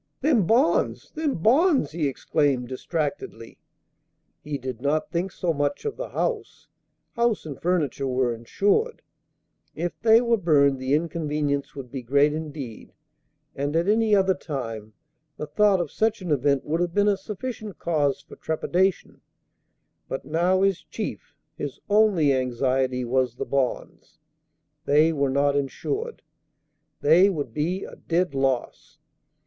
"Them bonds! them bonds!" he exclaimed, distractedly. He did not think so much of the house: house and furniture were insured; if they were burned the inconvenience would be great indeed, and at any other time the thought of such an event would have been a sufficient cause for trepidation; but now his chief, his only anxiety was the bonds. They were not insured. They would be a dead loss.